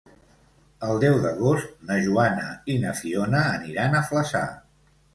El deu d'agost na Joana i na Fiona aniran a Flaçà.